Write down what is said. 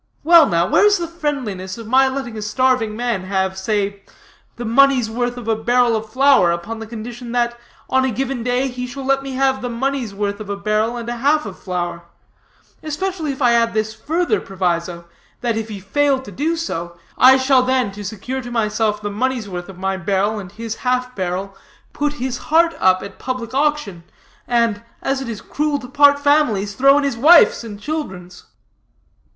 Well, now, where is the friendliness of my letting a starving man have, say, the money's worth of a barrel of flour upon the condition that, on a given day, he shall let me have the money's worth of a barrel and a half of flour; especially if I add this further proviso, that if he fail so to do, I shall then, to secure to myself the money's worth of my barrel and his half barrel, put his heart up at public auction, and, as it is cruel to part families, throw in his wife's and children's?"